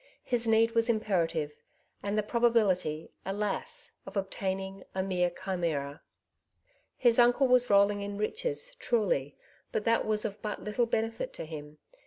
His need ivas imperative, and the probability, alas 1 of obtain ing, a mere chimera. His uncle was rolling in riches, truly, but that was of but little benefit to him.